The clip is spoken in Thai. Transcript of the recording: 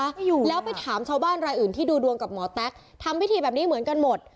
ไม่อยู่แล้วไปถามชาวบ้านรายอื่นที่ดูดวงกับหมอแต๊กทำพิธีแบบนี้เหมือนกันหมด